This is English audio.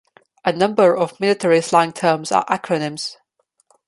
A number of military slang terms are acronyms.